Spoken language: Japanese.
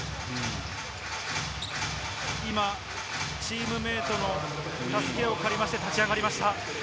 今チームメートの助けを借りまして立ち上がりました。